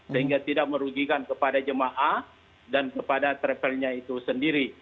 sehingga tidak merugikan kepada jemaah dan kepada travelnya itu sendiri